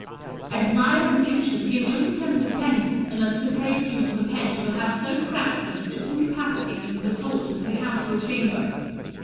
I desire in future to hear no contempt of penmen, unless a depraved use of the pen shall have so cramped them as to incapacitate them for the sword and for the Council Chamber.